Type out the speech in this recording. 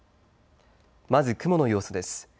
まず雲の様子です。